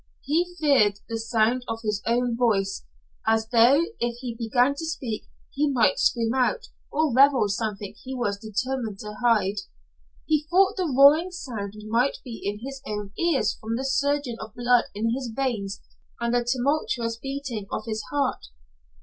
He feared the sound of his own voice, as though if he began to speak, he might scream out, or reveal something he was determined to hide. He thought the roaring sound might be in his own ears from the surging of blood in his veins and the tumultuous beating of his heart.